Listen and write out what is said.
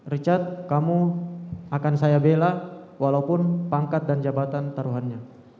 richard kamu akan saya bela walaupun pangkat dan jabatan taruhannya